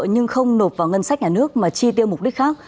nhưng không nộp vào ngân sách nhà nước mà chi tiêu mục đích khác